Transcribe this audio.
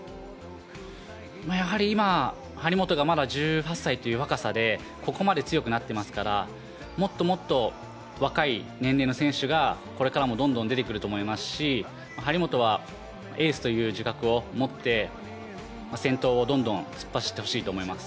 やはり今、張本がまだ１８歳という若さでここまで強くなってますからもっともっと若い年齢の選手がこれからもどんどん出てくると思いますし張本はエースという自覚を持って先頭をどんどん突っ走ってほしいと思います。